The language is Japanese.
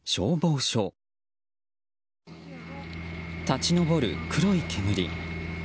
立ち上る黒い煙。